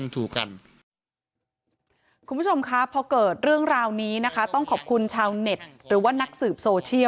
พวกผมมีปืนมีอะไรไปเนี่ย